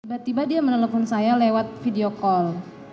tiba tiba dia menelpon saya lewat video call